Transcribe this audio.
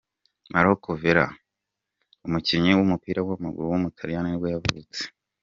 Marco Verratti, umukinnyi w’umupira w’amaguru w’umutaliyani nibwo yavutse.